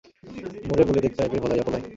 মোরে বোলে দেকতে আইবে ভোলাইয়া পোলায়।